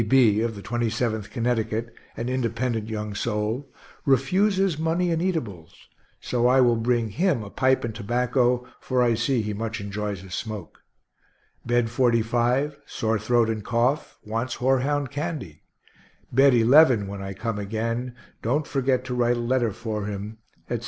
D. B., of the Twenty seventh Connecticut, an independent young soul refuses money and eatables, so I will bring him a pipe and tobacco, for I see he much enjoys a smoke; Bed 45 sore throat and cough wants horehound candy; Bed 11, when I come again, don't forget to write a letter for him; etc.